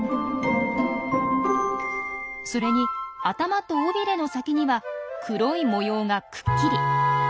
それに頭と尾びれの先には黒い模様がくっきり。